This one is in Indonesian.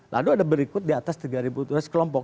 lalu ada berikut di atas tiga ratus kelompok